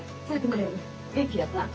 元気やった？